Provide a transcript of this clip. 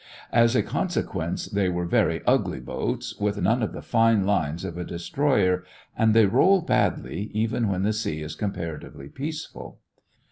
As a consequence they are very ugly boats, with none of the fine lines of a destroyer, and they roll badly, even when the sea is comparatively peaceful.